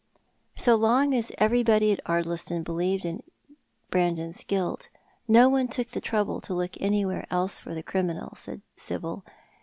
" So long as everybody at Ardliston believed in Brandon's guilt no one took the trouble to look anywhere else for the criminal/' said Sibyl.